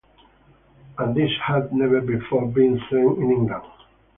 And this had never before been seen in England.